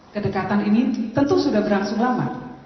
kedekatan ini tentu sudah berlangsung lama